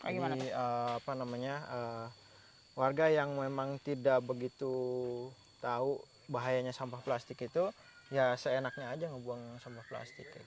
jadi apa namanya warga yang memang tidak begitu tahu bahayanya sampah plastik itu ya seenaknya aja ngebuang sampah plastik